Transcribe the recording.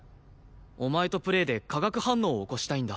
お前とプレーで化学反応を起こしたいんだ。